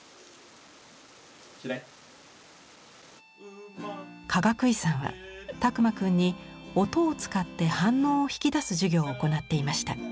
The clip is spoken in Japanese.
嫌い？かがくいさんは拓万くんに音を使って反応を引き出す授業を行っていました。